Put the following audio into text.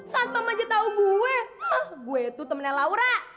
saat pak maja tahu gue gue itu temennya laura